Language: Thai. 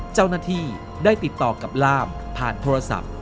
เจ้าหน้าที่ได้ติดต่อกับล่ามผ่านโทรศัพท์